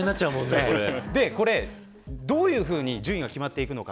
どういうふうに順位が決まっていくのか。